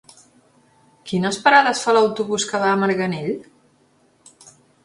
Quines parades fa l'autobús que va a Marganell?